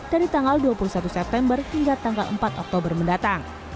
dari tanggal dua puluh satu september hingga tanggal empat oktober mendatang